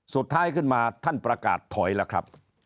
สุดท้ายขึ้นมาท่านประกาศถอยแล้วครับ